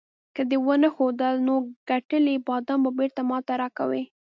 که دې ونه ښودل، نو ګټلي بادام به بیرته ماته راکوې.